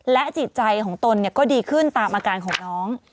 จิตใจของตนก็ดีขึ้นตามอาการของน้อง